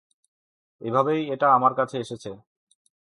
এভাবেই এটা আমার কাছে এসেছে...